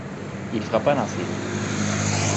Il frappa dans ses mains.